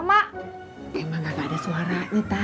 emang gak ada suara